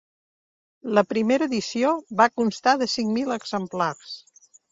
La primera edició va constar de cinc mil exemplars.